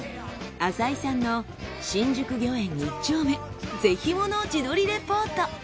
朝井さんの新宿魚縁一丁目ぜひものを自撮りレポート。